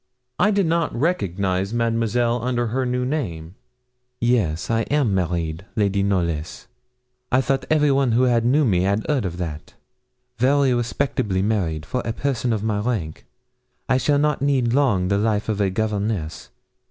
I did not recognise Mademoiselle under her new name.' 'Yes I am married, Lady Knollys; I thought everyone who knew me had heard of that. Very respectably married, for a person of my rank. I shall not need long the life of a governess.